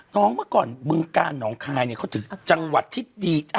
น้องเมื่อก่อนบึงกานน้องคลายเขาถือจังหวัดที่ดี